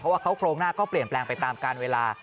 ว่าเขาโครงหน้าก็เปลี่ยนแปลงไปตามการเวลา